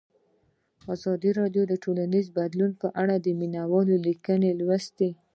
ازادي راډیو د ټولنیز بدلون په اړه د مینه والو لیکونه لوستي.